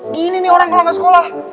gini nih orang kalo gak sekolah